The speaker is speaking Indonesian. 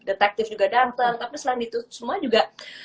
detektif juga datang tapi selain itu semua juga